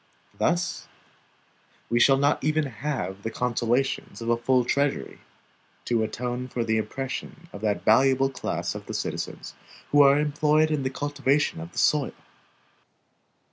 Thus we shall not even have the consolations of a full treasury, to atone for the oppression of that valuable class of the citizens who are employed in the cultivation of the soil.